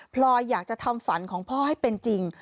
พลอยอยากจะทำฝันของพ่อให้เป็นจริง